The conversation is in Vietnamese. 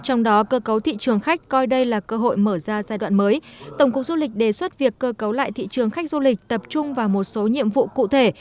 và giai đoạn mới tổng cục du lịch đề xuất việc cơ cấu lại thị trường khách du lịch tập trung vào một số nhiệm vụ cụ thể